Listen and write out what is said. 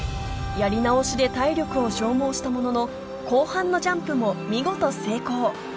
やり直しで体力を消耗したものの後半のジャンプも見事成功